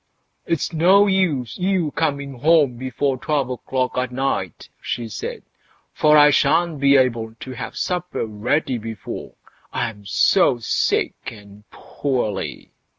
"It's no use your coming home before twelve o'clock at night", she said, "for I shan't be able to have supper ready before—I'm so sick and poorly."